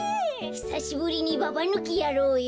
ひさしぶりにババぬきやろうよ。